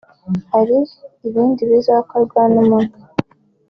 hari ibindi bizokorwa n'umugwi